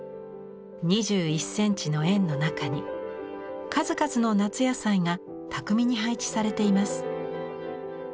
２１センチの円の中に数々の夏野菜が巧みに配置されています。